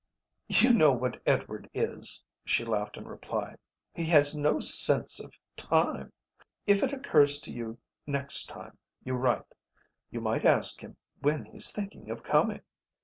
"You know what Edward is," she laughed in reply, "he has no sense of time. If it occurs to you next time you write you might ask him when he's thinking of coming."